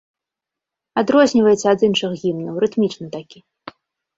Адрозніваецца ад іншых гімнаў, рытмічны такі.